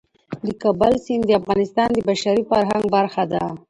د کابل سیند د افغانستان د بشري فرهنګ برخه ده.